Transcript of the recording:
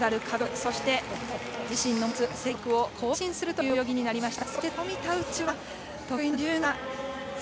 そして自身の持つ世界記録を更新する泳ぎとなりました。